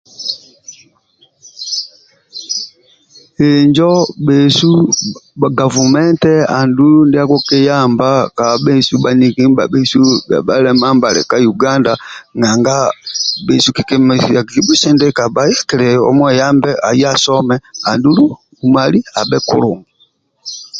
injo bhesu gavumente andulu ndia kikiyamba baniki ndibabhesu balema ndibhali ka uganda bhesu kikibusindika aye asome andulu umali abe kulungi